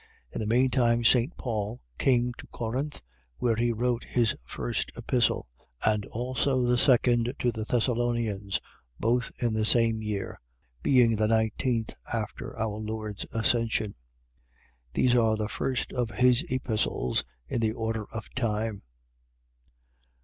In the meantime St. Paul came to Corinth, where he wrote this first Epistle, and also the second to the Thessalonians, both in the same year, being the nineteenth after our Lord's Ascension. These are the first of his Epistles in the order of time.